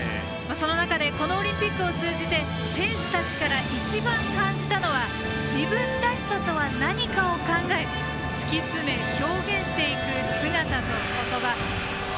その中で、オリンピックを通じて選手たちから一番感じたのは自分らしさとは何かを考え突きつめ表現していく姿と言葉。